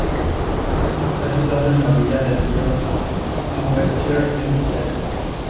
Está situado a las orillas del río Schwarze Elster.